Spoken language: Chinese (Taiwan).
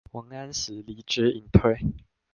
王安石離職引退